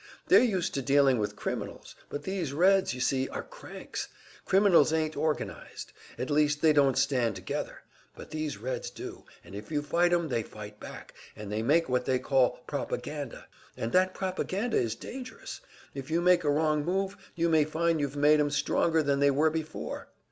They're used to dealing with criminals; but these Reds, you see, are cranks. Criminals ain't organized, at least they don't stand together; but these Reds do, and if you fight 'em, they fight back, and they make what they call `propaganda.' And that propaganda is dangerous if you make a wrong move, you may find you've made 'em stronger than they were before."